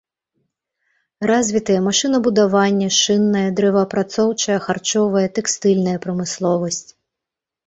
Развітыя машынабудаванне, шынная, дрэваапрацоўчая, харчовая, тэкстыльная прамысловасць.